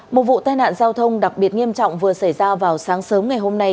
một vụ tai nạn giao thông đặc biệt nghiêm trọng vừa xảy ra vào sáng sớm ngày hôm nay